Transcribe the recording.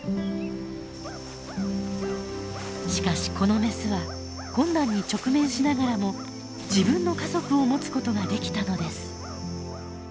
しかしこのメスは困難に直面しながらも自分の家族を持つことができたのです。